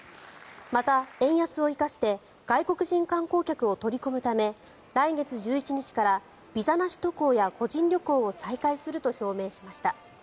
また、円安を生かして外国人観光客を取り込むため来月１１日からビザなし渡航や個人旅行を再開すると表明しました。